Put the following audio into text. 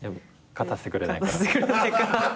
勝たせてくれないから。